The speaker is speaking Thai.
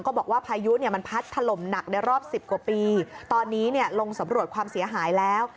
บอกว่าพายุเนี่ยมันพัดถล่มหนักในรอบสิบกว่าปีตอนนี้เนี่ยลงสำรวจความเสียหายแล้ว